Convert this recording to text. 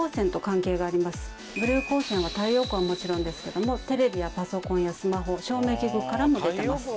ブルー光線は太陽光はもちろんですけどもテレビやパソコンやスマホ照明器具からも出ています。